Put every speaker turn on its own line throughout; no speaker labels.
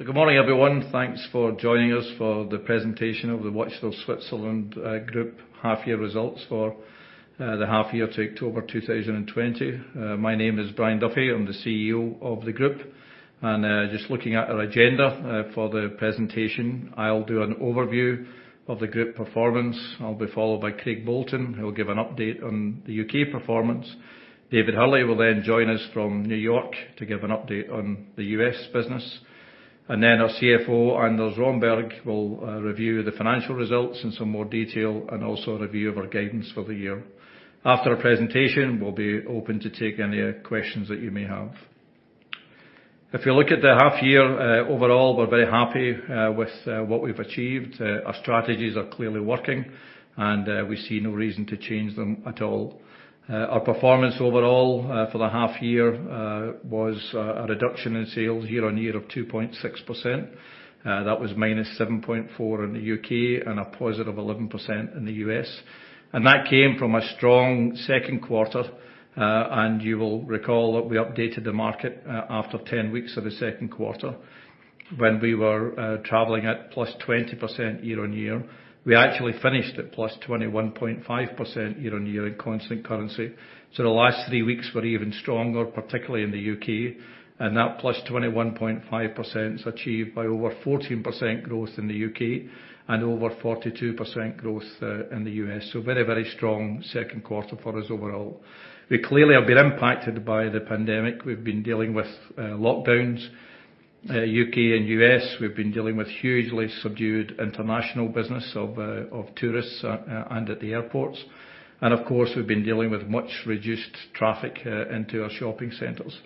Good morning, everyone. Thanks for joining us for the presentation of the Watches of Switzerland Group half year results for the half year to October 2020. My name is Brian Duffy. I'm the CEO of the group. Just looking at our agenda for the presentation, I'll do an overview of the group performance. I'll be followed by Craig Bolton, who will give an update on the U.K. performance. David Hurley will then join us from New York to give an update on the U.S. business. Then our CFO, Anders Romberg, will review the financial results in some more detail and also a review of our guidance for the year. After our presentation, we'll be open to take any questions that you may have. If you look at the half year, overall, we're very happy with what we've achieved. Our strategies are clearly working, and we see no reason to change them at all. Our performance overall for the half year was a reduction in sales year-over-year of 2.6%. That was -7.4 in the U.K. and a positive 11% in the U.S. That came from a strong second quarter. You will recall that we updated the market after 10 weeks of the second quarter when we were traveling at +20% year-over-year. We actually finished at +21.5% year-over-year in constant currency. The last three weeks were even stronger, particularly in the U.K., and that +21.5% is achieved by over 14% growth in the U.K. and over 42% growth in the U.S. Very strong second quarter for us overall. We clearly have been impacted by the pandemic. We've been dealing with lockdowns, U.K. and U.S. We've been dealing with hugely subdued international business of tourists and at the airports. Of course, we've been dealing with much reduced traffic into our shopping centers.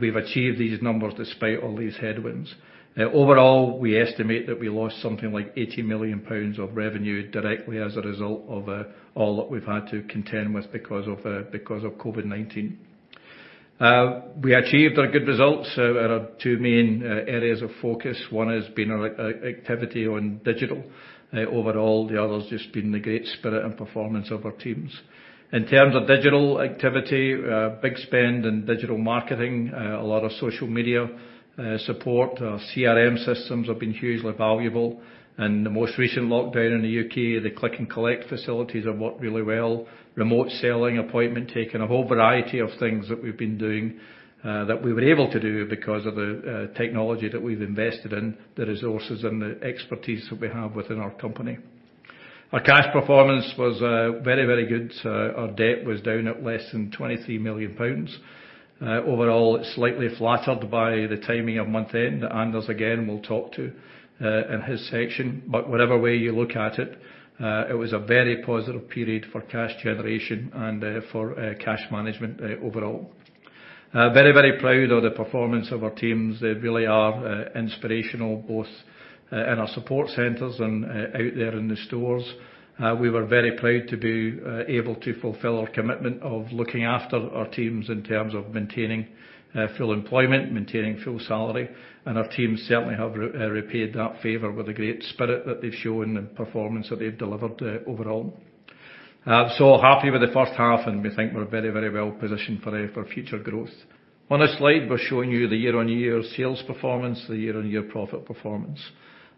We've achieved these numbers despite all these headwinds. Overall, we estimate that we lost something like 80 million pounds of revenue directly as a result of all that we've had to contend with because of COVID-19. We achieved our good results. Our two main areas of focus, one has been our activity on digital overall, the other has just been the great spirit and performance of our teams. In terms of digital activity, big spend in digital marketing, a lot of social media support. Our CRM systems have been hugely valuable. In the most recent lockdown in the U.K., the click and collect facilities have worked really well. Remote selling, appointment taking, a whole variety of things that we've been doing that we were able to do because of the technology that we've invested in, the resources and the expertise that we have within our company. Our cash performance was very good. Our debt was down at less than 23 million pounds. Overall, it's slightly flattered by the timing of month end. Anders, again, will talk to in his section. Whatever way you look at it was a very positive period for cash generation and for cash management overall. Very proud of the performance of our teams. They really are inspirational, both in our support centers and out there in the stores. We were very proud to be able to fulfill our commitment of looking after our teams in terms of maintaining full employment, maintaining full salary, and our teams certainly have repaid that favor with the great spirit that they've shown and performance that they've delivered overall. Happy with the first half, and we think we're very well positioned for future growth. On this slide, we're showing you the year-on-year sales performance, the year-on-year profit performance.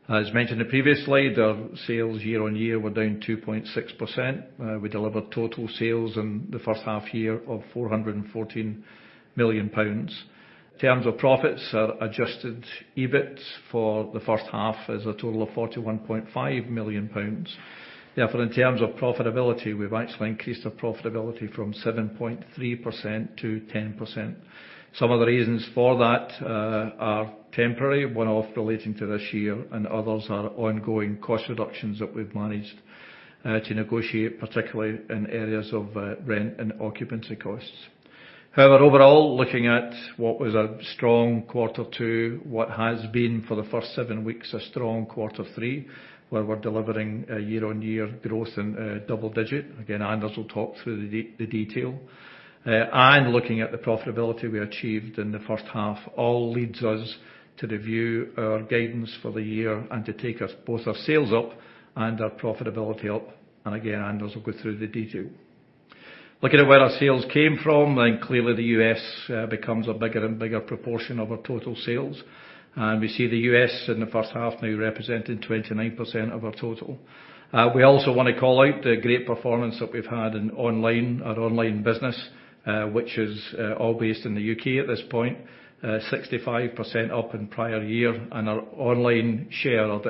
As mentioned in the previous slide, our sales year-on-year were down 2.6%. We delivered total sales in the first half-year of 414 million pounds. In terms of profits, our adjusted EBIT for the first half is a total of 41.5 million pounds. In terms of profitability, we've actually increased our profitability from 7.3% to 10%. Some of the reasons for that are temporary, one-off relating to this year, and others are ongoing cost reductions that we've managed to negotiate, particularly in areas of rent and occupancy costs. However, overall, looking at what was a strong quarter two, what has been for the first seven weeks a strong quarter three, where we're delivering a year-on-year growth in double digit. Again, Anders will talk through the detail. Looking at the profitability we achieved in the first half all leads us to review our guidance for the year and to take both our sales up and our profitability up. Again, Anders will go through the detail. Looking at where our sales came from, clearly the U.S. becomes a bigger and bigger proportion of our total sales. We see the U.S. in the first half now representing 29% of our total. We also want to call out the great performance that we've had in online, our online business, which is all based in the U.K. at this point. 65% up in prior year, our online share of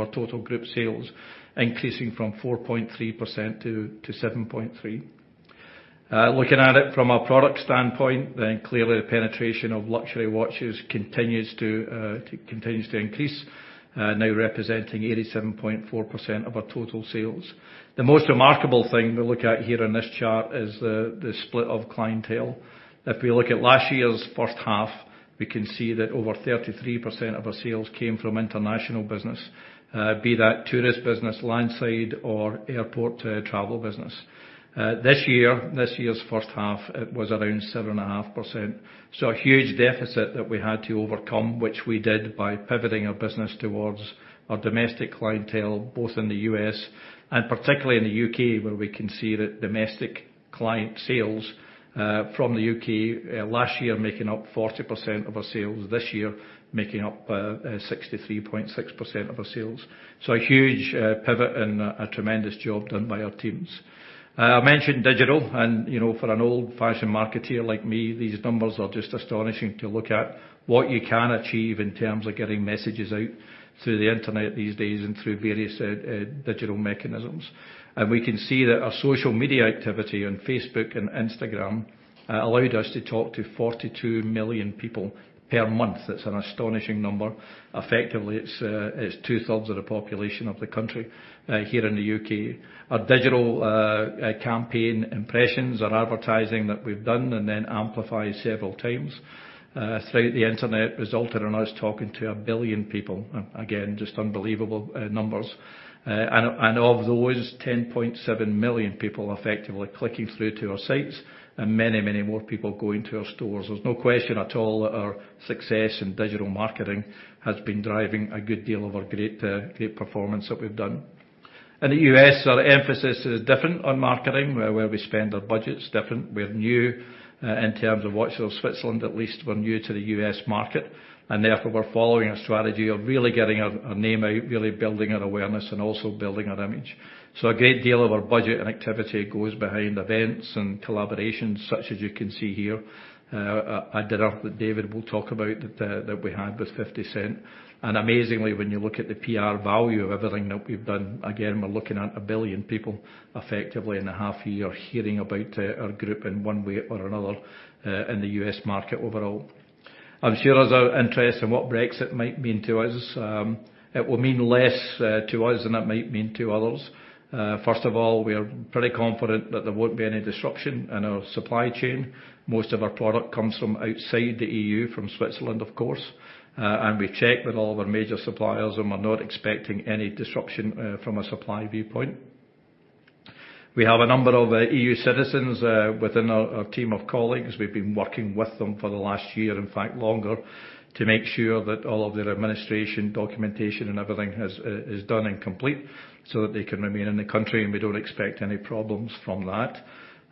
our total group sales increasing from 4.3% to 7.3%. Looking at it from a product standpoint, clearly the penetration of luxury watches continues to increase, now representing 87.4% of our total sales. The most remarkable thing we look at here in this chart is the split of clientele. If we look at last year's first half. We can see that over 33% of our sales came from international business, be that tourist business, landside, or airport travel business. This year's first half, it was around 7.5%. A huge deficit that we had to overcome, which we did by pivoting our business towards our domestic clientele, both in the U.S. and particularly in the U.K., where we can see that domestic client sales from the U.K. last year making up 40% of our sales. This year, making up 63.6% of our sales. A huge pivot and a tremendous job done by our teams. I mentioned digital, and for an old-fashioned marketer like me, these numbers are just astonishing to look at what you can achieve in terms of getting messages out through the internet these days and through various digital mechanisms. We can see that our social media activity on Facebook and Instagram allowed us to talk to 42 million people per month. That's an astonishing number. Effectively, it's 2/3 of the population of the country here in the U.K. Our digital campaign impressions, our advertising that we've done, then amplified several times throughout the internet, resulted in us talking to 1 billion people. Again, just unbelievable numbers. Of those, 10.7 million people effectively clicking through to our sites, and many, many more people going to our stores. There's no question at all that our success in digital marketing has been driving a good deal of our great performance that we've done. In the U.S., our emphasis is different on marketing, where we spend our budgets different. We're new in terms of Watches of Switzerland, at least we're new to the U.S. market. Therefore, we're following a strategy of really getting our name out, really building our awareness, and also building our image. A great deal of our budget and activity goes behind events and collaborations such as you can see here, and another that David will talk about that we had with 50 Cent. Amazingly, when you look at the PR value of everything that we've done, again, we're looking at 1 billion people effectively in a half year hearing about our group in one way or another in the U.S. market overall. I'm sure there's an interest in what Brexit might mean to us. It will mean less to us than it might mean to others. First of all, we are pretty confident that there won't be any disruption in our supply chain. Most of our product comes from outside the EU, from Switzerland, of course, and we checked with all of our major suppliers, and we're not expecting any disruption from a supply viewpoint. We have a number of EU citizens within our team of colleagues. We've been working with them for the last year, in fact, longer, to make sure that all of their administration, documentation, and everything is done and complete so that they can remain in the country, and we don't expect any problems from that.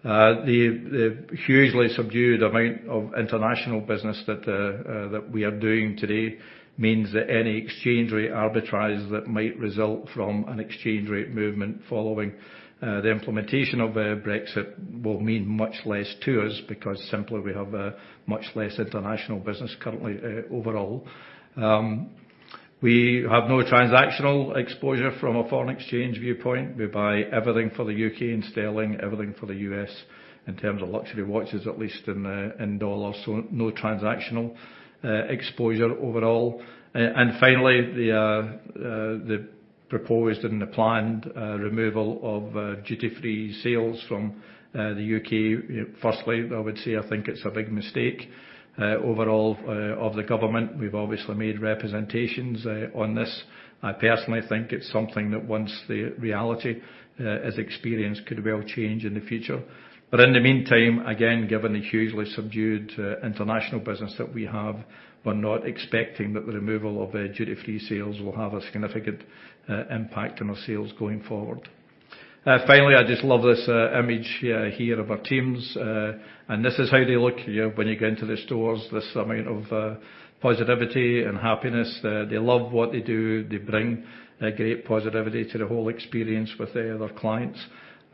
The hugely subdued amount of international business that we are doing today means that any exchange rate arbitrage that might result from an exchange rate movement following the implementation of Brexit will mean much less to us because simply we have much less international business currently overall. We have no transactional exposure from a foreign exchange viewpoint. We buy everything for the U.K. in Sterling, everything for the U.S. in terms of luxury watches, at least in dollars, so no transactional exposure overall. Finally, the proposed and the planned removal of duty-free sales from the U.K. Firstly, I would say I think it's a big mistake overall of the government. We've obviously made representations on this. I personally think it's something that once the reality is experienced could well change in the future. In the meantime, again, given the hugely subdued international business that we have, we're not expecting that the removal of duty-free sales will have a significant impact on our sales going forward. Finally, I just love this image here of our teams. This is how they look here when you go into the stores, this amount of positivity and happiness. They love what they do. They bring a great positivity to the whole experience with their clients.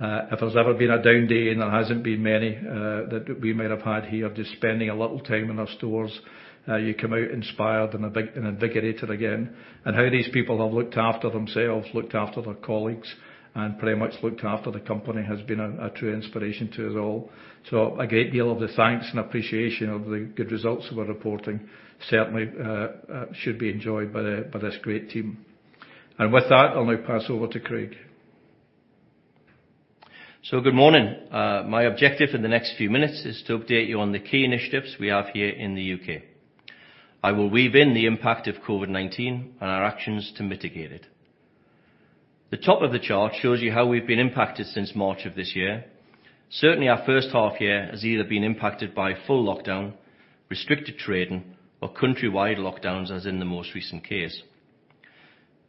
If there's ever been a down day, and there hasn't been many that we might have had here, just spending a little time in our stores, you come out inspired and invigorated again. How these people have looked after themselves, looked after their colleagues, and pretty much looked after the company has been a true inspiration to us all. A great deal of the thanks and appreciation of the good results we're reporting certainly should be enjoyed by this great team. With that, I'll now pass over to Craig.
Good morning. My objective in the next few minutes is to update you on the key initiatives we have here in the U.K. I will weave in the impact of COVID-19 and our actions to mitigate it. The top of the chart shows you how we've been impacted since March of this year. Certainly, our first half year has either been impacted by full lockdown, restricted trading, or country-wide lockdowns, as in the most recent case.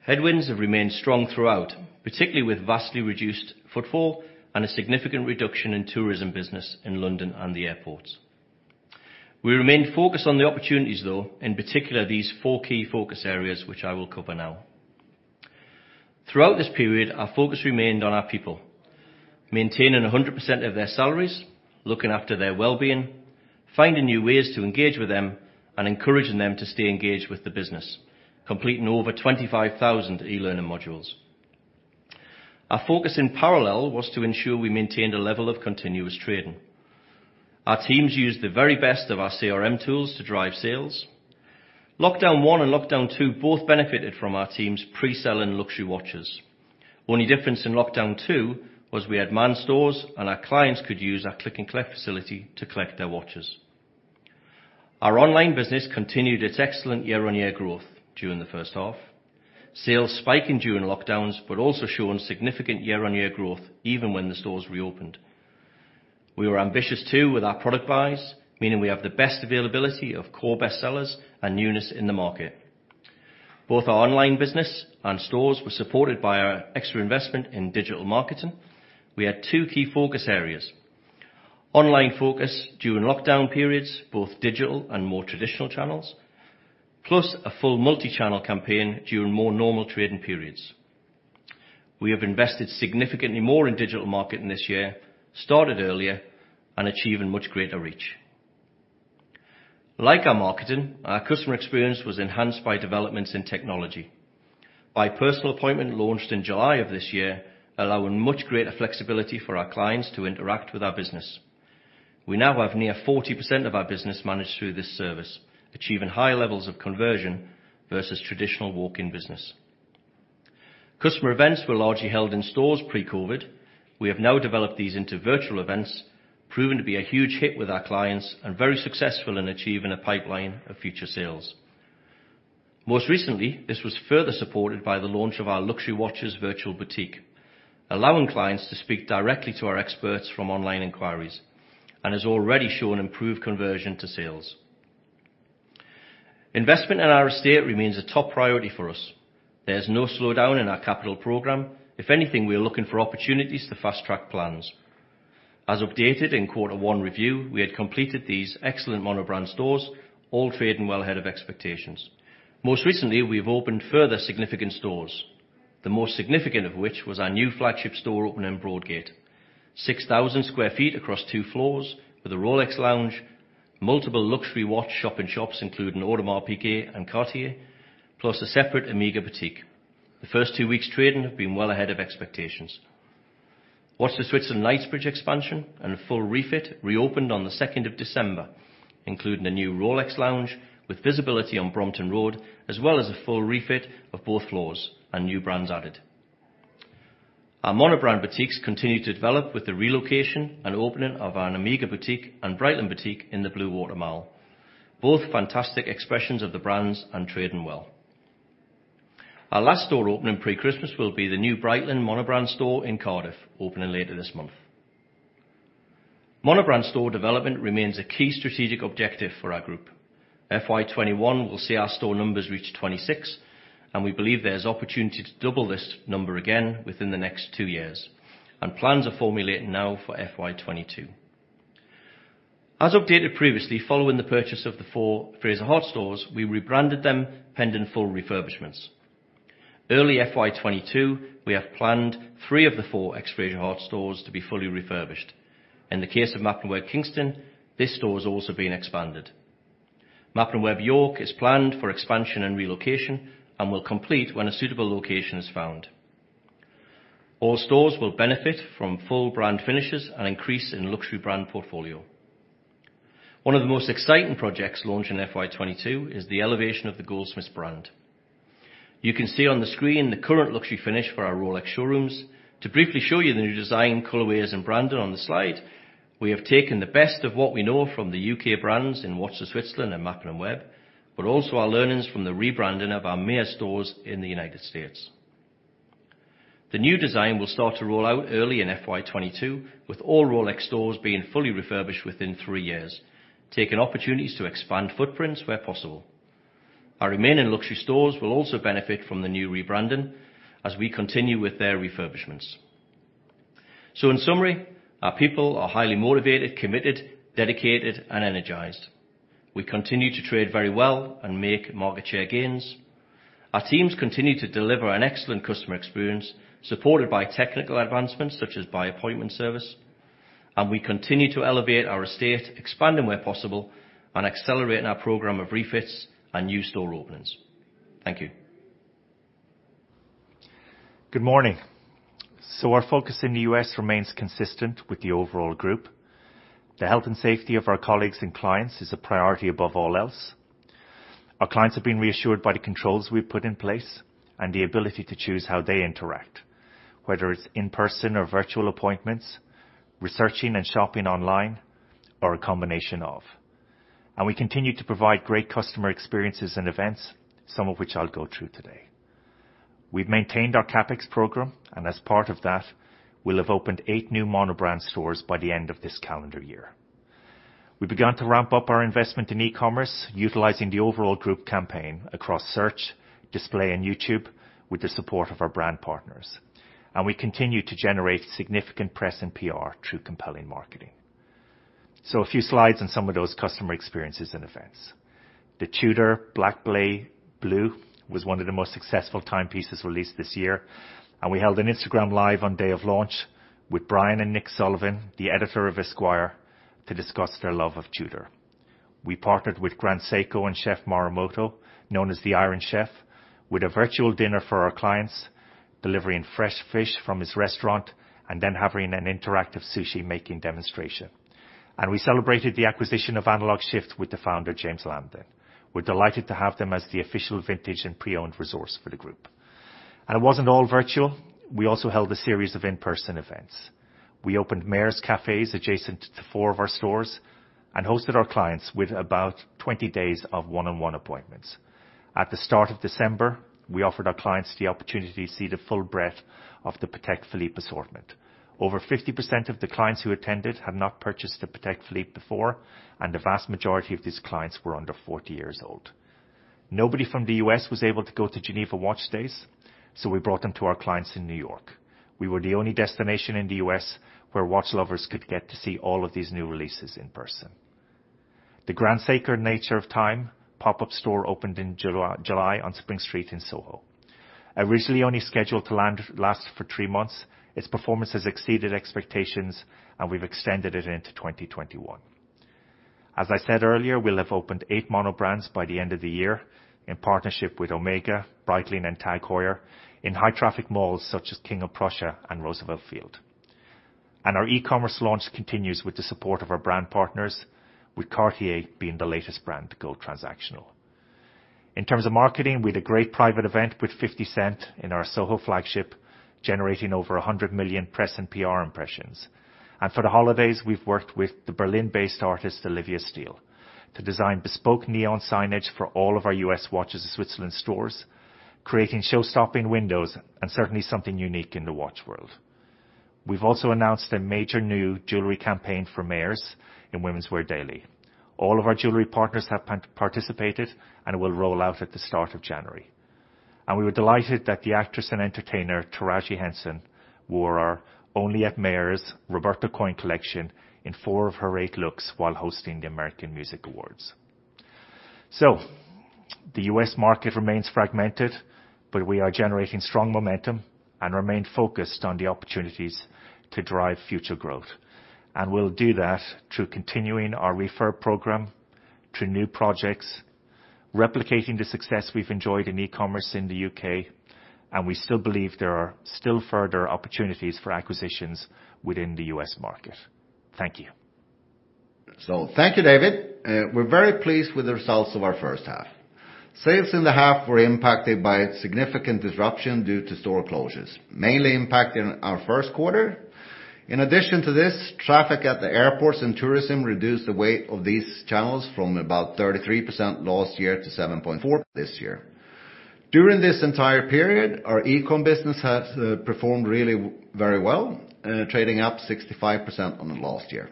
Headwinds have remained strong throughout, particularly with vastly reduced footfall and a significant reduction in tourism business in London and the airports. We remain focused on the opportunities, though, in particular, these four key focus areas, which I will cover now. Throughout this period, our focus remained on our people, maintaining 100% of their salaries, looking after their well-being, finding new ways to engage with them, and encouraging them to stay engaged with the business, completing over 25,000 e-learning modules. Our focus in parallel was to ensure we maintained a level of continuous trading. Our teams used the very best of our CRM tools to drive sales. Lockdown one and lockdown two both benefited from our teams pre-selling luxury watches. Only difference in lockdown two was we had manned stores and our clients could use our click and collect facility to collect their watches. Our online business continued its excellent year-on-year growth during the first half. Also showing significant year-on-year growth even when the stores reopened. We were ambitious too with our product buys, meaning we have the best availability of core bestsellers and newness in the market. Both our online business and stores were supported by our extra investment in digital marketing. We had two key focus areas. Online focus during lockdown periods, both digital and more traditional channels, plus a full multi-channel campaign during more normal trading periods. We have invested significantly more in digital marketing this year, started earlier, and achieving much greater reach. Like our marketing, our customer experience was enhanced by developments in technology. By Personal Appointment launched in July of this year, allowing much greater flexibility for our clients to interact with our business. We now have near 40% of our business managed through this service, achieving high levels of conversion versus traditional walk-in business. Customer events were largely held in stores pre-COVID. We have now developed these into virtual events, proving to be a huge hit with our clients and very successful in achieving a pipeline of future sales. Most recently, this was further supported by the launch of our luxury watches virtual boutique, allowing clients to speak directly to our experts from online inquiries and has already shown improved conversion to sales. Investment in our estate remains a top priority for us. There's no slowdown in our capital program. If anything, we are looking for opportunities to fast-track plans. As updated in quarter one review, we had completed these excellent mono-brand stores, all trading well ahead of expectations. Most recently, we've opened further significant stores. The most significant of which was our new flagship store opening in Broadgate, 6,000 sq ft across two floors with a Rolex lounge, multiple luxury watch shop in shops including Audemars Piguet and Cartier, plus a separate OMEGA boutique. The first two weeks trading have been well ahead of expectations. Watches of Switzerland Knightsbridge expansion and a full refit reopened on the 2nd of December, including a new Rolex lounge with visibility on Brompton Road, as well as a full refit of both floors and new brands added. Our mono-brand boutiques continue to develop with the relocation and opening of an OMEGA boutique and Breitling boutique in the Bluewater Mall, both fantastic expressions of the brands and trading well. Our last store opening pre-Christmas will be the new Breitling mono-brand store in Cardiff, opening later this month. mono-brand store development remains a key strategic objective for our group. FY 2021 will see our store numbers reach 26, and we believe there's opportunity to double this number again within the next two years, and plans are formulating now for FY 2022. As updated previously, following the purchase of the four Fraser Hart stores, we rebranded them pending full refurbishments. Early FY 2022, we have planned three of the four ex Fraser Hart stores to be fully refurbished. In the case of Mappin & Webb Kingston, this store is also being expanded. Mappin & Webb York is planned for expansion and relocation and will complete when a suitable location is found. All stores will benefit from full brand finishes and increase in luxury brand portfolio. One of the most exciting projects launching FY 2022 is the elevation of the Goldsmiths brand. You can see on the screen the current luxury finish for our Rolex showrooms. To briefly show you the new design, colorways, and branding on the slide, we have taken the best of what we know from the U.K. brands in Watches of Switzerland and Mappin & Webb, but also our learnings from the rebranding of our Mayors stores in the United States. The new design will start to roll out early in FY 2022, with all Rolex stores being fully refurbished within three years, taking opportunities to expand footprints where possible. Our remaining luxury stores will also benefit from the new rebranding as we continue with their refurbishments. In summary, our people are highly motivated, committed, dedicated, and energized. We continue to trade very well and make market share gains. Our teams continue to deliver an excellent customer experience supported by technical advancements such as By Appointment service, and we continue to elevate our estate, expanding where possible, and accelerating our program of refits and new store openings. Thank you.
Good morning. Our focus in the U.S. remains consistent with the overall group. The health and safety of our colleagues and clients is a priority above all else. Our clients have been reassured by the controls we've put in place and the ability to choose how they interact, whether it's in-person or virtual appointments, researching and shopping online, or a combination of. We continue to provide great customer experiences and events, some of which I'll go through today. We've maintained our CapEx program, and as part of that, we'll have opened eight new mono-brand stores by the end of this calendar year. We've begun to ramp up our investment in e-commerce, utilizing the overall group campaign across search, display, and YouTube with the support of our brand partners. We continue to generate significant press and PR through compelling marketing. A few slides on some of those customer experiences and events. The Tudor Black Bay Blue was one of the most successful timepieces released this year, and we held an Instagram Live on day of launch with Brian and Nick Sullivan, the editor of Esquire, to discuss their love of Tudor. We partnered with Grand Seiko and Chef Morimoto, known as the Iron Chef, with a virtual dinner for our clients, delivering fresh fish from his restaurant, and then having an interactive sushi-making demonstration. We celebrated the acquisition of Analog:Shift with the founder, James Lamdin. We're delighted to have them as the official vintage and pre-owned resource for the group. It wasn't all virtual. We also held a series of in-person events. We opened Mayors cafes adjacent to four of our stores and hosted our clients with about 20 days of one-on-one appointments. At the start of December, we offered our clients the opportunity to see the full breadth of the Patek Philippe assortment. Over 50% of the clients who attended had not purchased a Patek Philippe before, and the vast majority of these clients were under 40 years old. Nobody from the U.S. was able to go to Geneva Watch Days, so we brought them to our clients in New York. We were the only destination in the U.S. where watch lovers could get to see all of these new releases in person. The Grand Seiko Nature of Time pop-up store opened in July on Spring Street in SoHo. Originally only scheduled to last for three months, its performance has exceeded expectations, and we've extended it into 2021. As I said earlier, we'll have opened eight mono brands by the end of the year in partnership with OMEGA, Breitling, and TAG Heuer in high-traffic malls such as King of Prussia and Roosevelt Field. Our e-commerce launch continues with the support of our brand partners, with Cartier being the latest brand to go transactional. In terms of marketing, we had a great private event with 50 Cent in our SoHo flagship, generating over 100 million press and PR impressions. For the holidays, we've worked with the Berlin-based artist Olivia Steele to design bespoke neon signage for all of our U.S. Watches of Switzerland stores, creating show-stopping windows and certainly something unique in the watch world. We've also announced a major new jewelry campaign for Mayors in Women's Wear Daily. All of our jewelry partners have participated, and it will roll out at the start of January. We were delighted that the actress and entertainer Taraji Henson wore our Only at Mayors Roberto Coin collection in four of her eight looks while hosting the American Music Awards. The U.S. market remains fragmented, but we are generating strong momentum and remain focused on the opportunities to drive future growth. We'll do that through continuing our refer program, through new projects, replicating the success we've enjoyed in e-commerce in the U.K., and we still believe there are still further opportunities for acquisitions within the U.S. market. Thank you.
Thank you, David. We're very pleased with the results of our first half. Sales in the half were impacted by significant disruption due to store closures, mainly impacting our first quarter. In addition to this, traffic at the airports and tourism reduced the weight of these channels from about 33% last year to 7.4% this year. During this entire period, our e-com business has performed really very well, trading up 65% on last year.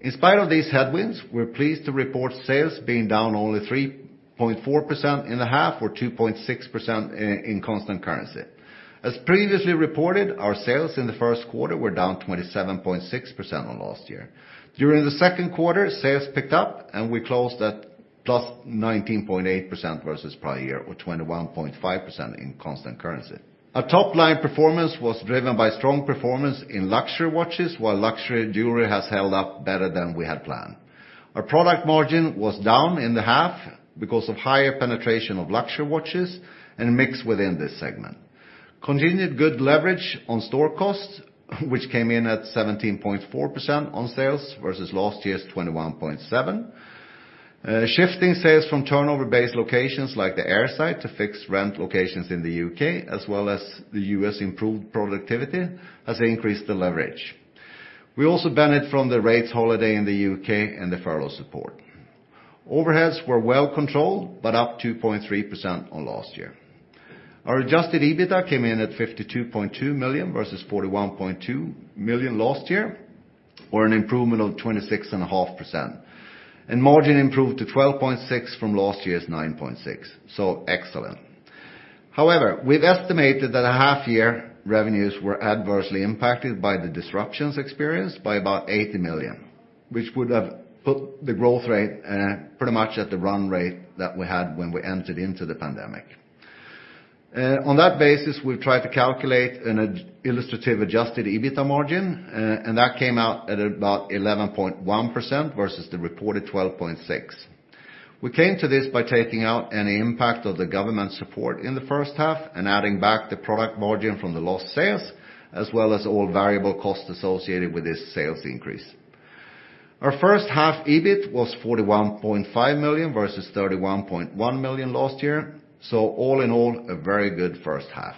In spite of these headwinds, we're pleased to report sales being down only 3.4% in the half, or 2.6% in constant currency. As previously reported, our sales in the first quarter were down 27.6% on last year. During the second quarter, sales picked up, and we closed at plus 19.8% versus prior year, or 21.5% in constant currency. Our top-line performance was driven by strong performance in luxury watches, while luxury jewelry has held up better than we had planned. Our product margin was down in the half because of higher penetration of luxury watches and mix within this segment. Continued good leverage on store costs, which came in at 17.4% on sales versus last year's 21.7%. Shifting sales from turnover-based locations like the airside to fixed-rent locations in the U.K., as well as the U.S. improved productivity, has increased the leverage. We also benefit from the rates holiday in the U.K. and the furlough support. Overheads were well controlled, but up 2.3% on last year. Our adjusted EBITDA came in at 52.2 million versus 41.2 million last year, or an improvement of 26.5%. Margin improved to 12.6% from last year's 9.6%, so excellent. We've estimated that half-year revenues were adversely impacted by the disruptions experienced by about 80 million, which would have put the growth rate pretty much at the run rate that we had when we entered into the pandemic. On that basis, we've tried to calculate an illustrative adjusted EBITDA margin, and that came out at about 11.1% versus the reported 12.6%. We came to this by taking out any impact of the government support in the first half and adding back the product margin from the lost sales as well as all variable costs associated with this sales increase. Our first half EBIT was 41.5 million versus 31.1 million last year, so all in all, a very good first half.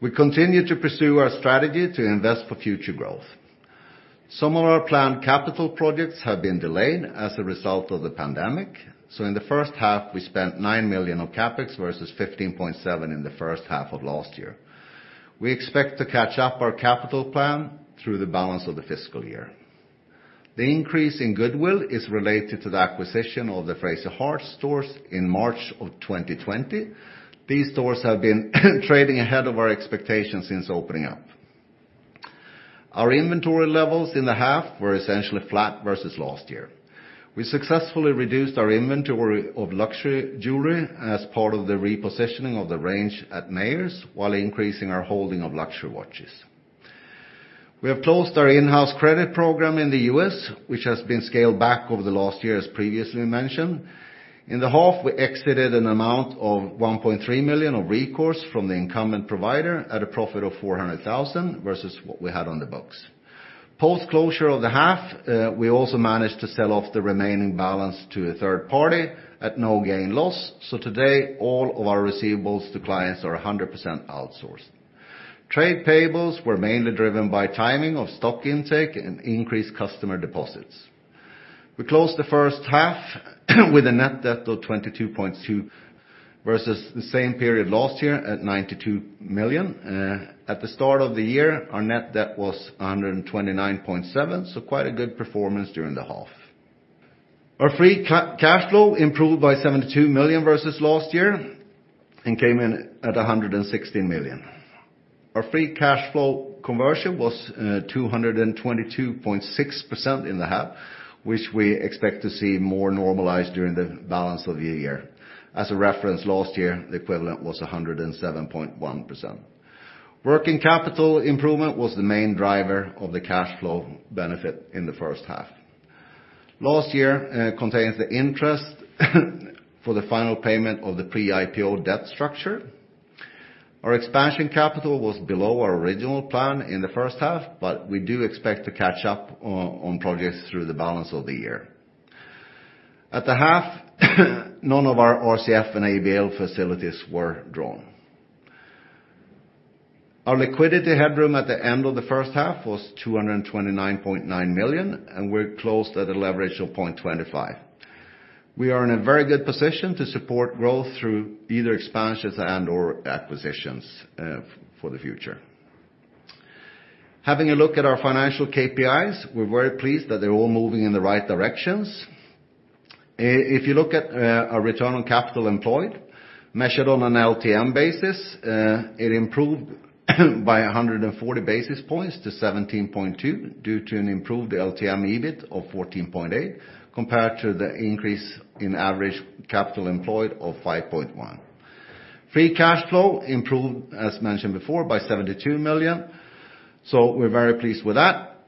We continue to pursue our strategy to invest for future growth. Some of our planned capital projects have been delayed as a result of the pandemic, in the first half, we spent 9 million of CapEx versus 15.7 million in the first half of last year. We expect to catch up our capital plan through the balance of the fiscal year. The increase in goodwill is related to the acquisition of the Fraser Hart stores in March 2020. These stores have been trading ahead of our expectations since opening up. Our inventory levels in the half were essentially flat versus last year. We successfully reduced our inventory of luxury jewelry as part of the repositioning of the range at Mayors while increasing our holding of luxury watches. We have closed our in-house credit program in the U.S., which has been scaled back over the last year, as previously mentioned. In the half, we exited an amount of 1.3 million of recourse from the incumbent provider at a profit of 400,000 versus what we had on the books. Post closure of the half, we also managed to sell off the remaining balance to a third party at no gain or loss. Today, all of our receivables to clients are 100% outsourced. Trade payables were mainly driven by timing of stock intake and increased customer deposits. We closed the first half with a net debt of 22.2 million versus the same period last year at 92 million. At the start of the year, our net debt was 129.7 million, quite a good performance during the half. Our free cash flow improved by 72 million versus last year and came in at 116 million. Our free cash flow conversion was 222.6% in the half, which we expect to see more normalized during the balance of the year. As a reference, last year, the equivalent was 107.1%. Working capital improvement was the main driver of the cash flow benefit in the first half. Last year contains the interest for the final payment of the pre-IPO debt structure. Our expansion capital was below our original plan in the first half. We do expect to catch up on progress through the balance of the year. At the half, none of our RCF and ABL facilities were drawn. Our liquidity headroom at the end of the first half was 229.9 million, and we're closed at a leverage of 0.25x. We are in a very good position to support growth through either expansions and/or acquisitions for the future. Having a look at our financial KPIs, we're very pleased that they're all moving in the right directions. If you look at our return on capital employed, measured on an LTM basis, it improved by 140 basis points to 17.2% due to an improved LTM EBIT of 14.8%, compared to the increase in average capital employed of 5.1%. Free cash flow improved, as mentioned before, by 72 million. We're very pleased with that,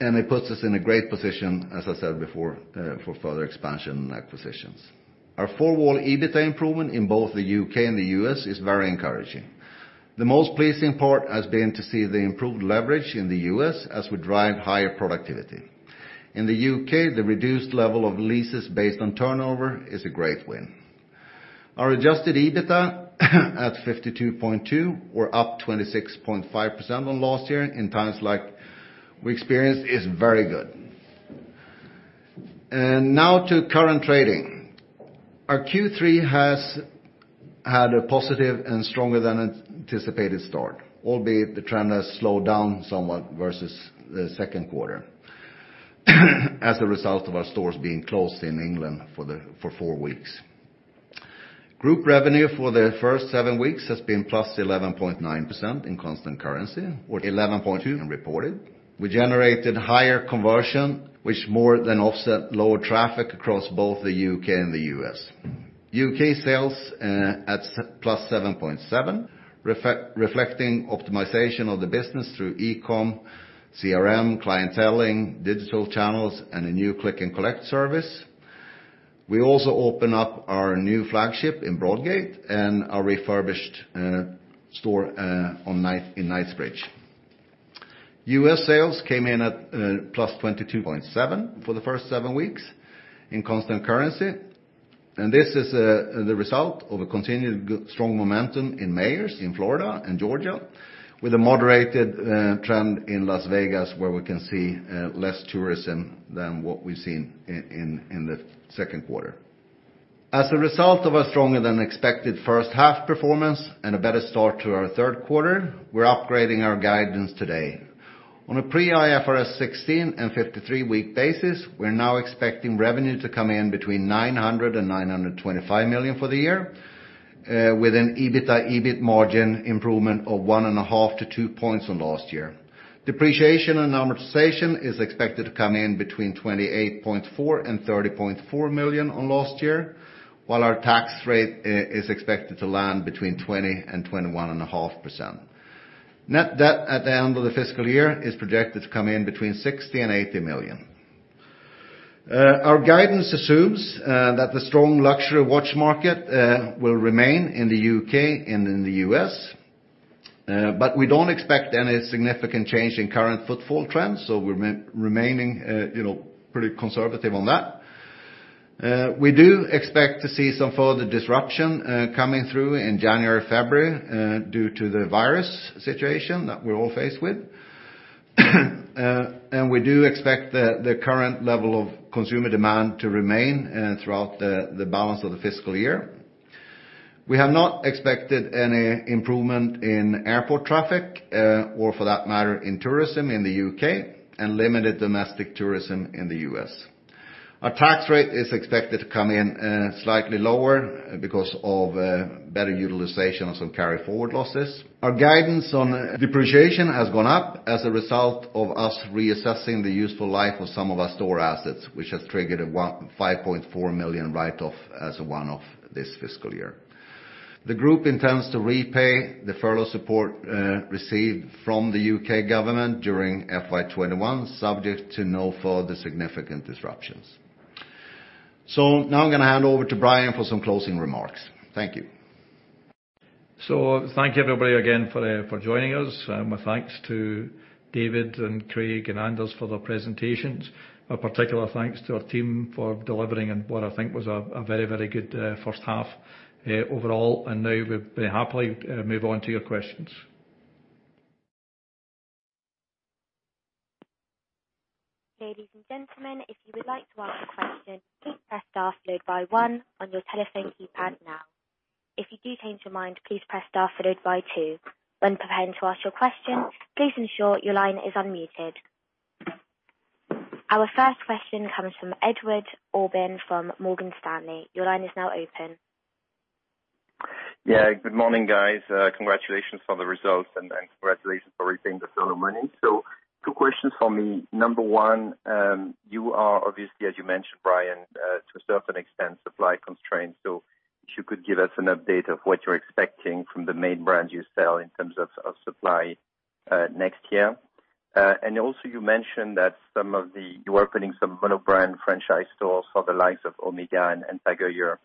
and it puts us in a great position, as I said before, for further expansion and acquisitions. Our four-wall EBITDA improvement in both the U.K. and the U.S. is very encouraging. The most pleasing part has been to see the improved leverage in the U.S. as we drive higher productivity. In the U.K., the reduced level of leases based on turnover is a great win. Our adjusted EBITDA at 52.2, or up 26.5% on last year in times like we experienced, is very good. To current trading. Our Q3 has had a positive and stronger than anticipated start, albeit the trend has slowed down somewhat versus the second quarter as a result of our stores being closed in England for four weeks. Group revenue for the first seven weeks has been +11.9% in constant currency, or 11.2% in reported. We generated higher conversion, which more than offset lower traffic across both the U.K. and the U.S. U.K. sales at +7.7%, reflecting optimization of the business through e-com, CRM, clienteling, digital channels, and a new click and collect service. We also open up our new flagship in Broadgate and our refurbished store in Knightsbridge. U.S. sales came in at +22.7% for the first seven weeks in constant currency. This is the result of a continued strong momentum in Mayors, in Florida, and Georgia, with a moderated trend in Las Vegas, where we can see less tourism than what we've seen in the second quarter. As a result of a stronger than expected first half performance and a better start to our third quarter, we're upgrading our guidance today. On a pre-IFRS 16 and 53-week basis, we're now expecting revenue to come in between 900 million-925 million for the year, with an EBITDA/EBIT margin improvement of 1.5-2 points on last year. Depreciation and amortization is expected to come in between 28.4 million-30.4 million on last year, while our tax rate is expected to land between 20% and 21.5%. Net debt at the end of the fiscal year is projected to come in between 60 million-80 million. Our guidance assumes that the strong luxury watch market will remain in the U.K. and in the U.S., but we don't expect any significant change in current footfall trends, so we're remaining pretty conservative on that. We do expect to see some further disruption coming through in January or February due to the virus situation that we're all faced with. We do expect the current level of consumer demand to remain throughout the balance of the fiscal year. We have not expected any improvement in airport traffic or, for that matter, in tourism in the U.K. and limited domestic tourism in the U.S. Our tax rate is expected to come in slightly lower because of better utilization of some carry forward losses. Our guidance on depreciation has gone up as a result of us reassessing the useful life of some of our store assets, which has triggered a 5.4 million write-off as a one-off this fiscal year. The group intends to repay the furlough support received from the U.K. government during FY 2021, subject to no further significant disruptions. Now I'm going to hand over to Brian for some closing remarks. Thank you.
Thank you, everybody, again for joining us. My thanks to David and Craig and Anders for their presentations. A particular thanks to our team for delivering on what I think was a very, very good first half overall. Now we happily move on to your questions.
Ladies and gentlemen, if you would like to ask a question, please press star followed by one on your telephone keypad now. If you do change your mind, please press star followed by two. When preparing to ask your question, please ensure your line is unmuted. Our first question comes from Edouard Aubin from Morgan Stanley. Your line is now open.
Good morning, guys. Congratulations for the results and congratulations for repaying the furlough money. Two questions from me. Number one, you are obviously, as you mentioned, Brian, to a certain extent, supply constrained. If you could give us an update of what you're expecting from the main brands you sell in terms of supply next year. Also you mentioned that you are opening some mono-brand franchise stores for the likes of OMEGA and TAG Heuer.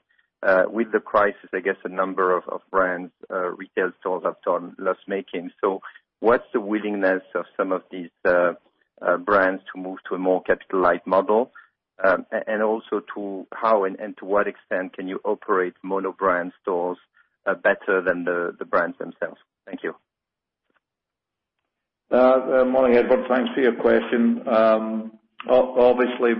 With the crisis, I guess a number of brand retail stores have turned loss-making. What's the willingness of some of these brands to move to a more capitalized model? Also how and to what extent can you operate mono-brand stores better than the brands themselves? Thank you.
Morning, Edouard. Thanks for your question. Obviously,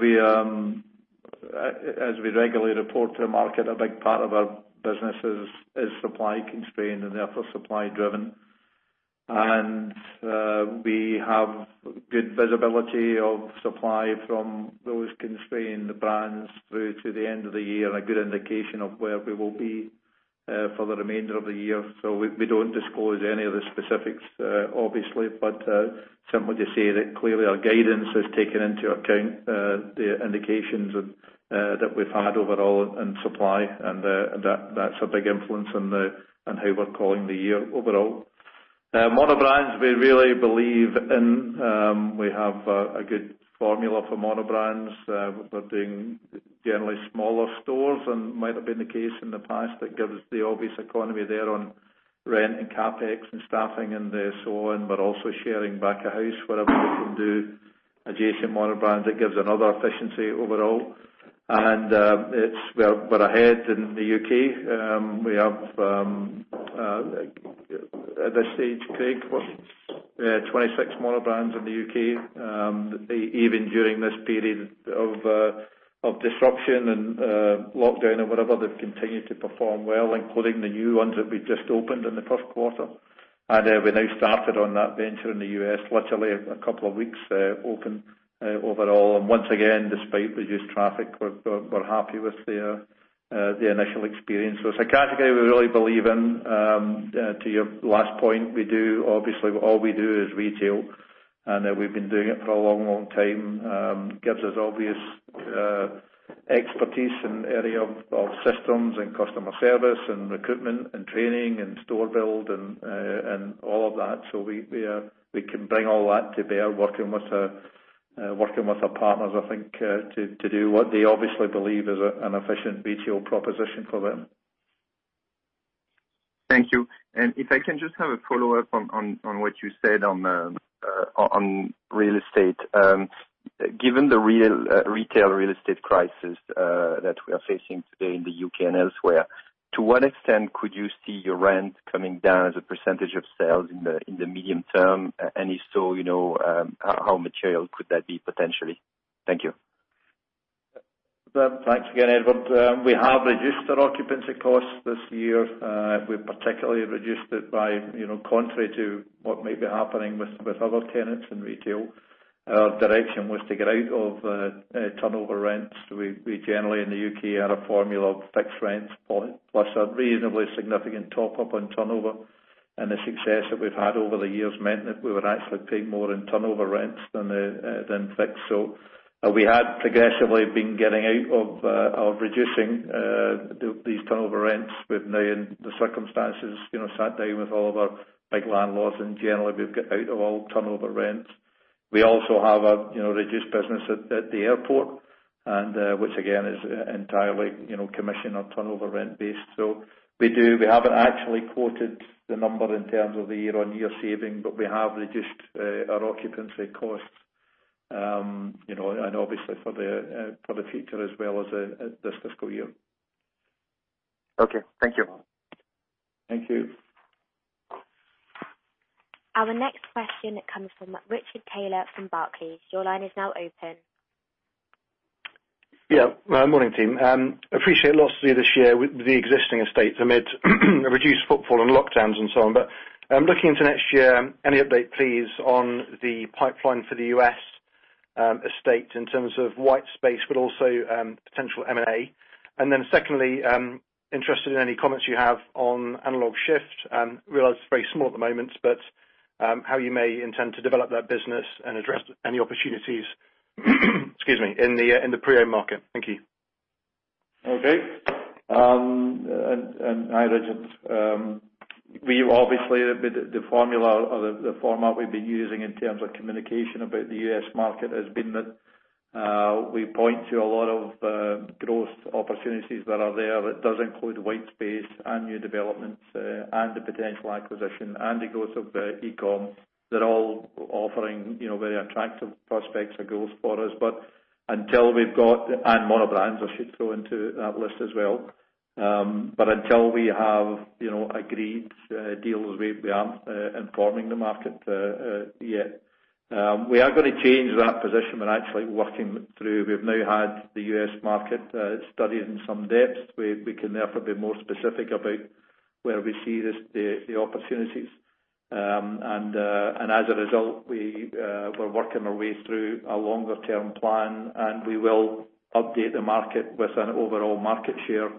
as we regularly report to the market, a big part of our business is supply constrained and therefore supply driven. We have good visibility of supply from those constrained brands through to the end of the year and a good indication of where we will be for the remainder of the year. We don't disclose any of the specifics, obviously, but simply to say that clearly our guidance has taken into account the indications that we've had overall in supply, and that's a big influence on how we're calling the year overall. Mono-brands, we really believe in. We have a good formula for mono-brands. We're doing generally smaller stores and might have been the case in the past that gives the obvious economy there on rent and CapEx and staffing and so on. We're also sharing back of house wherever we can do adjacent mono-brands. It gives another efficiency overall. We're ahead in the U.K. We have, at this stage, Craig, what? 26 mono-brands in the U.K. Even during this period of disruption and lockdown or whatever, they've continued to perform well, including the new ones that we just opened in the first quarter. We now started on that venture in the U.S. literally a couple of weeks open overall. Once again, despite reduced traffic, we're happy with the initial experience. Strategically, we really believe in. To your last point, obviously, all we do is retail, and we've been doing it for a long, long time. Gives us obvious expertise in area of systems and customer service and recruitment and training and store build and all of that. We can bring all that to bear working with our partners, I think, to do what they obviously believe is an efficient retail proposition for them.
Thank you. If I can just have a follow-up on what you said on real estate. Given the retail real estate crisis that we are facing today in the U.K. and elsewhere, to what extent could you see your rent coming down as a percentage of sales in the medium term? If so, how material could that be potentially? Thank you.
Thanks again, Edouard. We have reduced our occupancy costs this year. We particularly reduced it by contrary to what might be happening with other tenants in retail. Our direction was to get out of turnover rents. We generally, in the U.K., had a formula of fixed rents plus a reasonably significant top-up on turnover. The success that we've had over the years meant that we were actually paying more in turnover rents than fixed. We had progressively been getting out of reducing these turnover rents. We've now in the circumstances sat down with all of our big landlords, and generally, we've got out of all turnover rents. We also have a reduced business at the airport which again is entirely commission or turnover rent based. We haven't actually quoted the number in terms of the year-on-year saving, but we have reduced our occupancy costs, and obviously for the future as well as this fiscal year.
Okay. Thank you.
Thank you.
Our next question comes from Richard Taylor from Barclays. Your line is now open.
Yeah. Morning, team. Appreciate lastly this year with the existing estate amid reduced footfall and lockdowns and so on. Looking into next year, any update, please, on the pipeline for the U.S. estate in terms of white space, but also potential M&A? Secondly, interested in any comments you have on Analog:Shift. I realize it's very small at the moment, but how you may intend to develop that business and address any opportunities in the pre-owned market. Thank you.
Okay. Hi, Richard. Obviously, the formula or the format we've been using in terms of communication about the U.S. market has been that we point to a lot of growth opportunities that are there that does include white space and new developments, and the potential acquisition, and the growth of the e-com. They're all offering very attractive prospects for growth for us. mono-brand, I should throw into that list as well. Until we have agreed deals, we aren't informing the market yet. We are going to change that position. We're actually working through. We've now had the U.S. market studied in some depth. We can therefore be more specific about where we see the opportunities. As a result, we're working our way through a longer-term plan, and we will update the market with an overall market share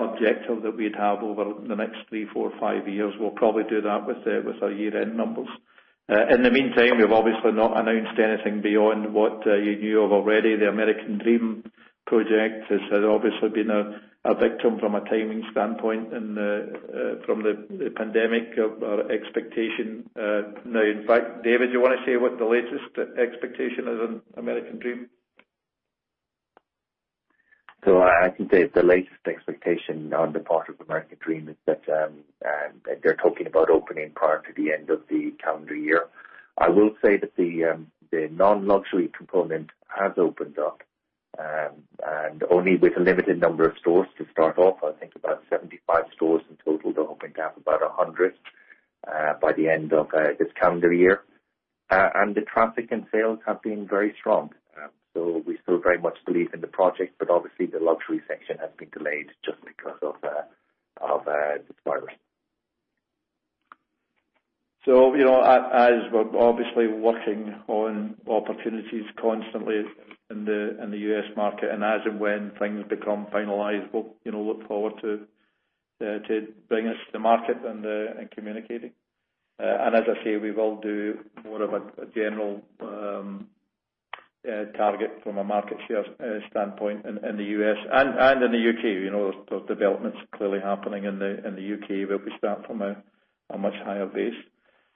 objective that we'd have over the next three, four, five years. We'll probably do that with our year-end numbers. In the meantime, we've obviously not announced anything beyond what you knew of already. The American Dream project has obviously been a victim from a timing standpoint and from the pandemic of our expectation. In fact, David, do you want to say what the latest expectation is on American Dream?
I can say the latest expectation on the part of American Dream is that they're talking about opening prior to the end of the calendar year. I will say that the non-luxury component has opened up, and only with a limited number of stores to start off. I think about 75 stores in total. They're hoping to have about 100 stores by the end of this calendar year. The traffic and sales have been very strong. We still very much believe in the project, but obviously the luxury section has been delayed just because of the virus.
As we're obviously working on opportunities constantly in the U.S. market, and as and when things become finalized, we'll look forward to bring us to market and communicating. As I say, we will do more of a general target from a market share standpoint in the U.S. and in the U.K. Those developments are clearly happening in the U.K., where we start from a much higher base.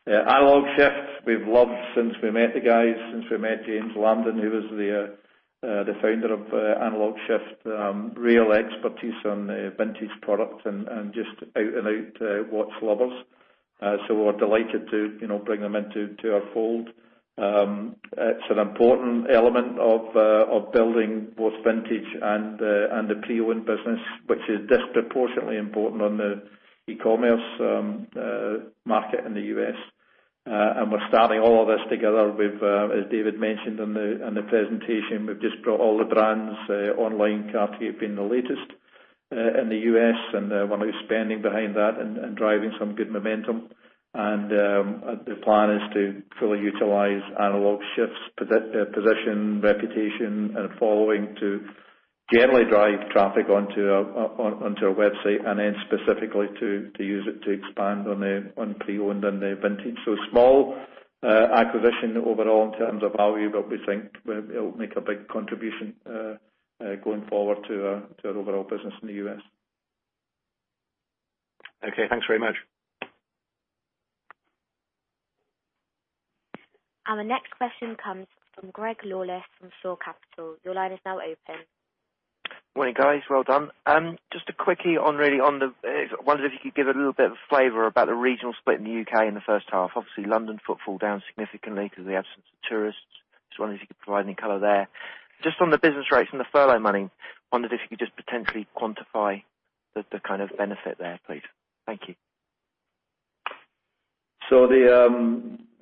Analog:Shift, we've loved since we met the guys, since we met James Lamdin, who was the founder of Analog:Shift. Real expertise on vintage product and just out-and-out watch lovers. We're delighted to bring them into our fold. It's an important element of building both vintage and the pre-owned business, which is disproportionately important on the e-commerce market in the U.S. We're starting all of this together with, as David mentioned in the presentation, we've just brought all the brands online, Cartier being the latest in the U.S., and we're now expanding behind that and driving some good momentum. The plan is to fully utilize Analog:Shift's position, reputation, and following to generally drive traffic onto our website and then specifically to use it to expand on pre-owned and the vintage. Small acquisition overall in terms of value, but we think it'll make a big contribution going forward to our overall business in the U.S.
Okay, thanks very much.
Our next question comes from Greg Lawless from Shore Capital. Your line is now open.
Morning, guys. Well done. Just quickly, I wondered if you could give a little bit of flavor about the regional split in the U.K. in the first half. Obviously, London footfall down significantly because of the absence of tourists. Just wondering if you could provide any color there. Just on the business rates and the furlough money, wondered if you could just potentially quantify the kind of benefit there, please. Thank you.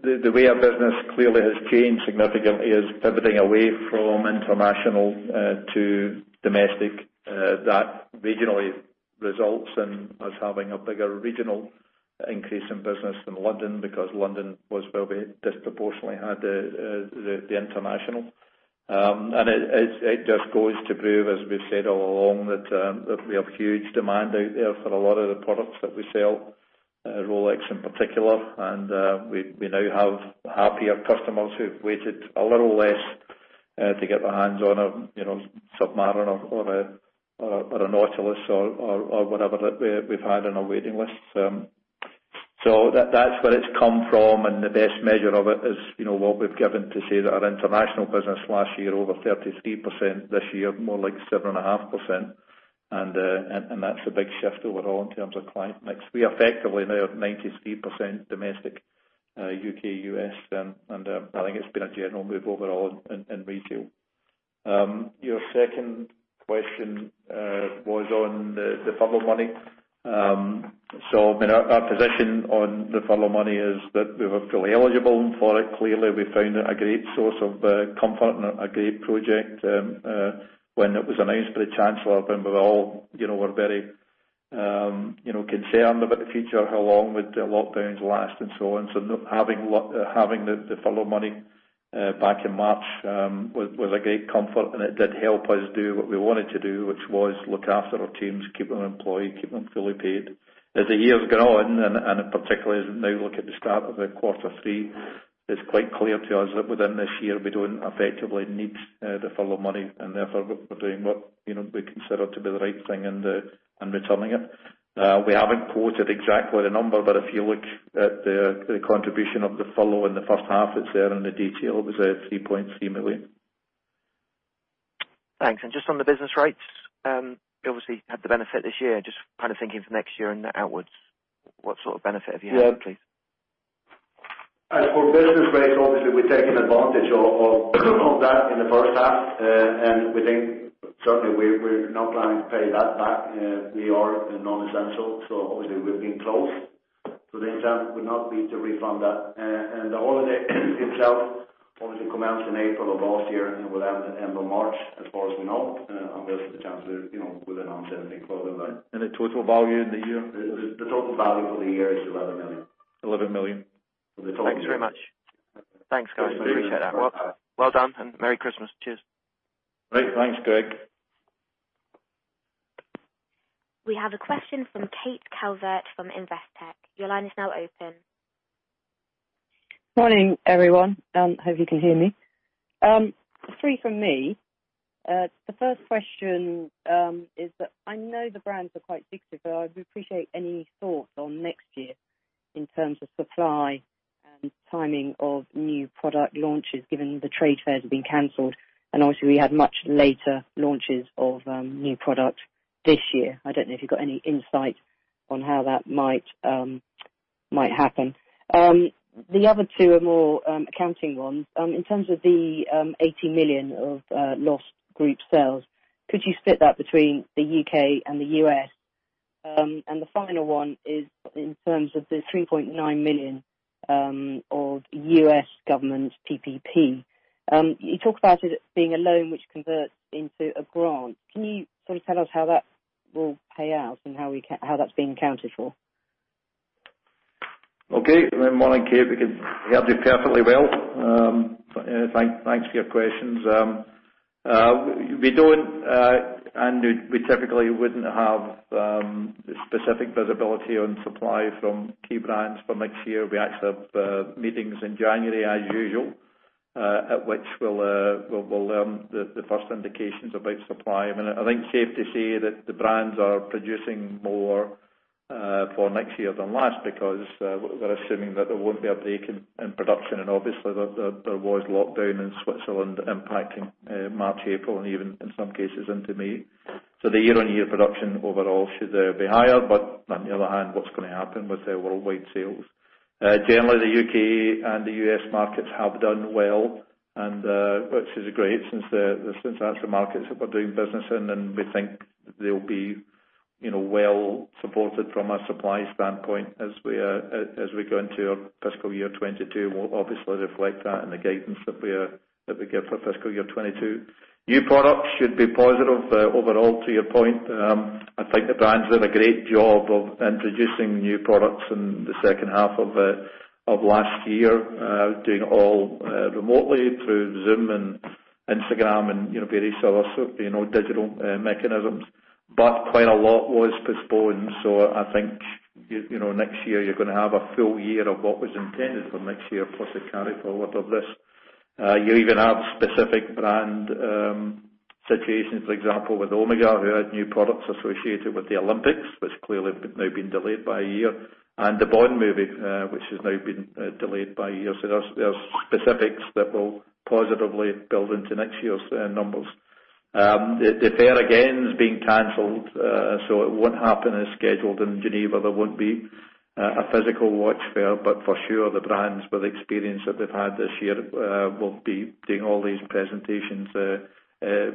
The way our business clearly has changed significantly is pivoting away from international to domestic. That regionally results in us having a bigger regional increase in business than London, because London disproportionately had the international. It just goes to prove, as we've said all along, that we have huge demand out there for a lot of the products that we sell, Rolex in particular. We now have happier customers who've waited a little less to get their hands on a Submariner or a Nautilus or whatever that we've had on our waiting list. That's where it's come from, and the best measure of it is what we've given to say that our international business last year, over 33%, this year more like 7.5%. That's a big shift overall in terms of client mix. We effectively now have 93% domestic, U.K., U.S., and I think it's been a general move overall in retail. Your second question was on the furlough money. Our position on the furlough money is that we were fully eligible for it. Clearly, we found it a great source of comfort and a great project when it was announced by the Chancellor, when we all were very concerned about the future, how long would the lockdowns last, and so on. Having the furlough money back in March was a great comfort and it did help us do what we wanted to do, which was look after our teams, keep them employed, keep them fully paid. As the year has gone on, and particularly as we now look at the start of quarter three, it's quite clear to us that within this year, we don't effectively need the furlough money, and therefore, we're doing what we consider to be the right thing and returning it. We haven't quoted exactly the number, but if you look at the contribution of the furlough in the first half, it's there in the detail. It was 3.3 million.
Thanks. Just on the business rates, you obviously had the benefit this year. Just kind of thinking for next year and outwards, what sort of benefit have you had, please?
For business rates, obviously, we've taken advantage of that in the first half. We think certainly we're not planning to pay that back. We are non-essential, so obviously we've been closed. The intent would not be to refund that. The holiday itself obviously commenced in April of last year and will end in the end of March as far as we know, unless the Chancellor will announce anything further than that.
The total value in the year?
The total value for the year is 11 million.
11 million for the total.
Thanks very much. Thanks, guys. Appreciate that. Well done, and merry Christmas. Cheers.
Great. Thanks, Greg.
We have a question from Kate Calvert from Investec. Your line is now open.
Morning, everyone. Hope you can hear me. Three from me. The first question is that I know the brands are quite big, so I would appreciate any thoughts on next year in terms of supply and timing of new product launches, given the trade fairs have been canceled, and obviously we had much later launches of new product this year. I don't know if you've got any insight on how that might happen. The other two are more accounting ones. In terms of the 80 million of lost group sales, could you split that between the U.K. and the U.S.? The final one is in terms of the $3.9 million of U.S. government PPP. You talk about it being a loan which converts into a grant. Can you sort of tell us how that will pay out and how that's being accounted for?
Okay. Morning, Kate. We can hear you perfectly well. Thanks for your questions. We don't, and we typically wouldn't have specific visibility on supply from key brands for next year. We actually have meetings in January as usual, at which we'll learn the first indications about supply. I think it's safe to say that the brands are producing more for next year than last because we're assuming that there won't be a break in production, and obviously there was lockdown in Switzerland impacting March, April, and even in some cases into May. The year-on-year production overall should be higher. On the other hand, what's going to happen with our worldwide sales? Generally, the U.K. and the U.S. markets have done well, which is great since that's the markets that we're doing business in, and we think they'll be well supported from a supply standpoint as we go into our fiscal year 2022. We'll obviously reflect that in the guidance that we give for fiscal year 2022. New products should be positive overall, to your point. I think the brands did a great job of introducing new products in the second half of last year, doing it all remotely through Zoom and Instagram and various other digital mechanisms. Quite a lot was postponed, so I think next year you're going to have a full year of what was intended for next year, plus the carry-forward of this. You even have specific brand situations, for example, with OMEGA, who had new products associated with the Olympics, which clearly have now been delayed by a year, and the Bond movie, which has now been delayed by a year. There's specifics that will positively build into next year's numbers. The fair, again, is being canceled, so it won't happen as scheduled in Geneva. There won't be a physical watch fair, but for sure the brands, with the experience that they've had this year, will be doing all these presentations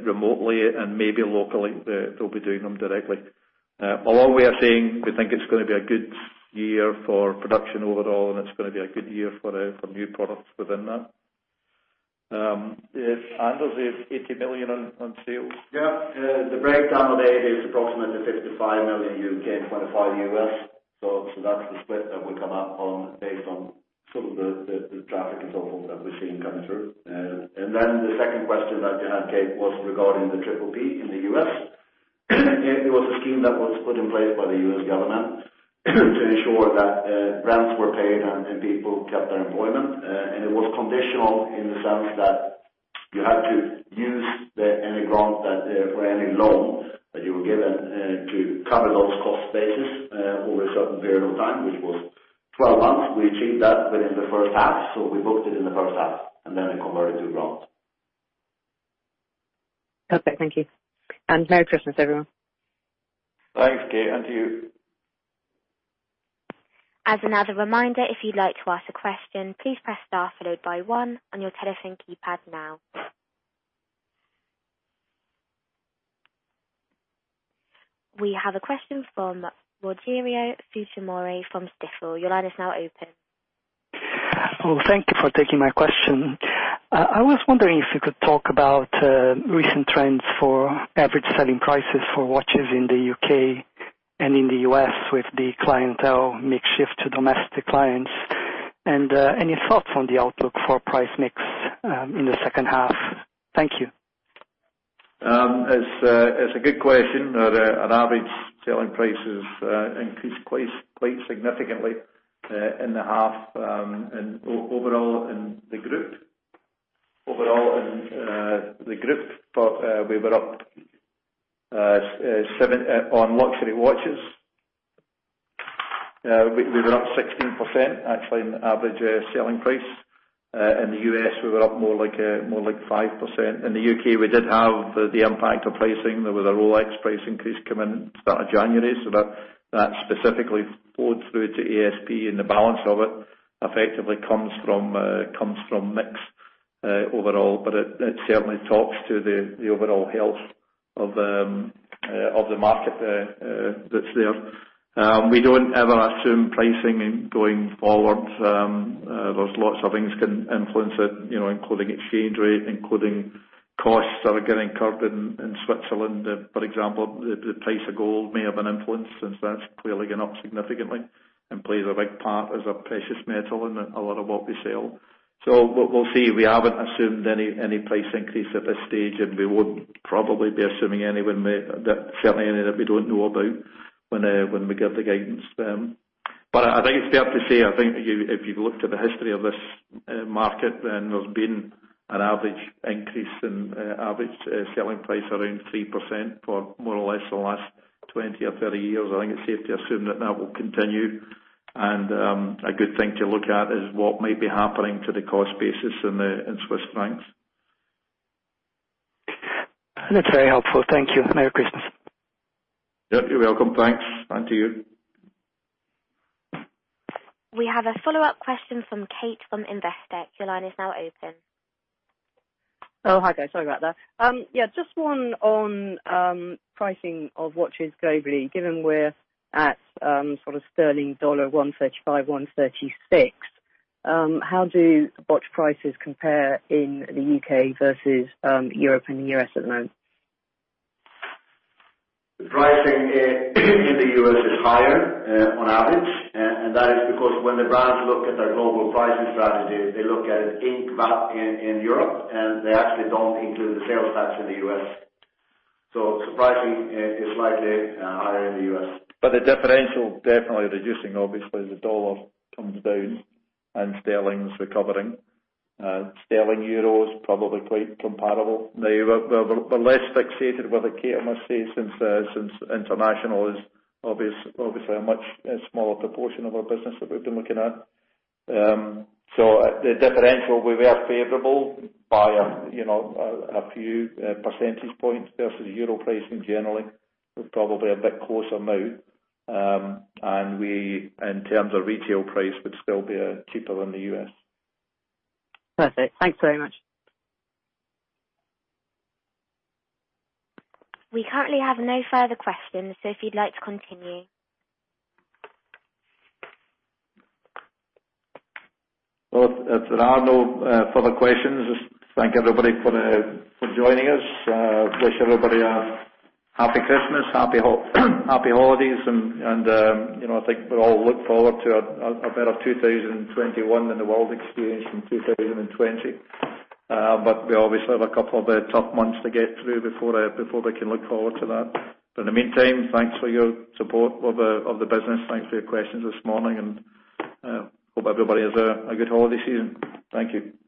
remotely and maybe locally they'll be doing them directly. All we are saying, we think it's going to be a good year for production overall, and it's going to be a good year for new products within that. Anders, the 80 million on sales?
Yeah. The breakdown there is approximately 55 million U.K., 25 million U.S. That's the split that we've come up on based on some of the traffic and so forth that we're seeing coming through. Then the second question that you had, Kate, was regarding the PPP in the U.S. It was a scheme that was put in place by the U.S. government to ensure that rents were paid and people kept their employment. It was conditional in the sense that you had to use any grant for any loan that you were given to cover those cost bases over a certain period of time, which was 12 months. We achieved that within the first half, so we booked it in the first half and then it converted to grant.
Perfect. Thank you. Merry Christmas, everyone.
Thanks, Kate, and to you.
We have a question from Rogerio Fujimori from Stifel. Your line is now open.
Well, thank you for taking my question. I was wondering if you could talk about recent trends for average selling prices for watches in the U.K. and in the U.S. with the clientele mix shift to domestic clients, and any thoughts on the outlook for price mix in the second half. Thank you.
It's a good question. Our average selling prices increased quite significantly in the half and overall in the group. We were up on luxury watches. We were up 16%, actually, in the average selling price. In the U.S., we were up more like 5%. In the U.K., we did have the impact of pricing. There was a Rolex price increase coming start of January, so that specifically flowed through to ASP, and the balance of it effectively comes from mix overall. It certainly talks to the overall health of the market that's there. We don't ever assume pricing going forward. There's lots of things can influence it, including exchange rate, including costs that are getting incurred in Switzerland. For example, the price of gold may have an influence since that's clearly gone up significantly and plays a big part as a precious metal in a lot of what we sell. We'll see. We haven't assumed any price increase at this stage, and we won't probably be assuming any, certainly any that we don't know about, when we give the guidance. I think it's fair to say, I think if you've looked at the history of this market, then there's been an average increase in average selling price around 3% for more or less the last 20 or 30 years. I think it's safe to assume that that will continue. A good thing to look at is what might be happening to the cost basis in Swiss francs.
That's very helpful. Thank you. Merry Christmas.
Yep, you're welcome. Thanks. To you.
We have a follow-up question from Kate from Investec. Your line is now open.
Oh, hi guys, sorry about that. Yeah, just one on pricing of watches globally, given we're at sterling dollar $1.35, $1.36. How do watch prices compare in the U.K. versus Europe and the U.S. at the moment?
Pricing in the U.S. is higher on average. That is because when the brands look at their global pricing strategy, they look at it inc VAT in Europe, and they actually don't include the sales tax in the U.S. Surprisingly, it is slightly higher in the U.S. The differential definitely reducing, obviously, as the dollar comes down and sterling's recovering. Sterling/euro is probably quite comparable. We're less fixated with it, Kate, I must say, since international is obviously a much smaller proportion of our business that we've been looking at. The differential, we were favorable by a few percentage points versus euro pricing generally. We're probably a bit closer now. We, in terms of retail price, would still be cheaper than the U.S.
Perfect. Thanks very much.
We currently have no further questions, so if you'd like to continue.
Well, if there are no further questions, just thank everybody for joining us. Wish everybody a happy Christmas, happy holidays, and I think we all look forward to a better 2021 than the world experienced in 2020. We obviously have a couple of tough months to get through before we can look forward to that. In the meantime, thanks for your support of the business. Thanks for your questions this morning, and hope everybody has a good holiday season. Thank you.